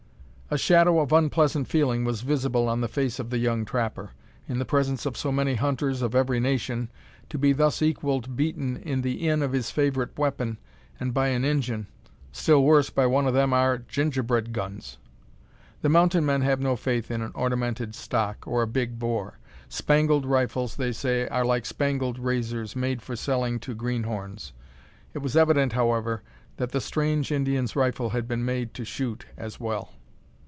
A shadow of unpleasant feeling was visible on the face of the young trapper. In the presence of so many hunters of every nation, to be thus equalled, beaten in the in of his favourite weapon, and by an "Injun"; still worse by one of "them ar' gingerbread guns!" The mountain men have no faith in an ornamented stock, or a big bore. Spangled rifles, they say, are like spangled razors, made for selling to greenhorns. It was evident, however, that the strange Indian's rifle had been made to shoot as well.